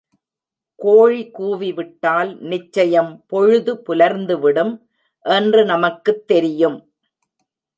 கோழி கூவிவிட்டால் நிச்சயம் பொழுது புலர்ந்துவிடும் என்று நமக்குத் தெரியும்.